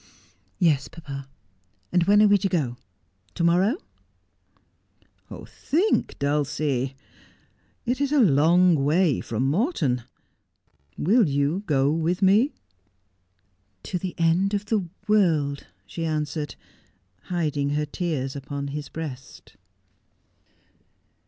' Yes, papa. When are we to go 1 To morrow ?'' Think, Dulcie ! It is a long way from Morton. Will you go with me 1 ' 'To the end of the world,' she answered, hiding her tears upon his breast.